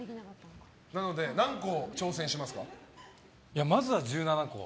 なので、何個挑戦しますか？